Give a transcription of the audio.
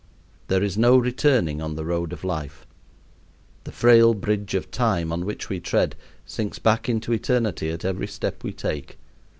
There is no returning on the road of life. The frail bridge of time on which we tread sinks back into eternity at every step we take.